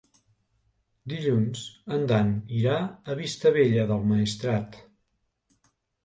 Dilluns en Dan irà a Vistabella del Maestrat.